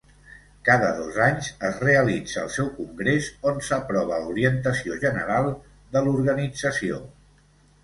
Cada dos anys es realitza el seu congrés on s'aprova l'orientació general de l'organització.